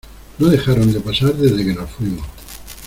no dejaron de pasar desde que nos fuimos.